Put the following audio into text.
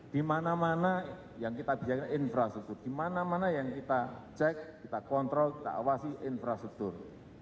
di mana mana yang kita biarkan infrastruktur di mana mana yang kita cek kita kontrol kita awasi infrastruktur